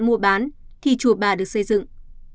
mua bán thì chùa bà được xây dựng